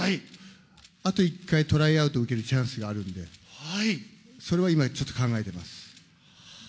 あと１回トライアウト受けるチャンスがあるんで、それは今、ちょっと考えてます。